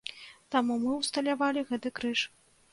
Таму мы ўсталявалі гэты крыж.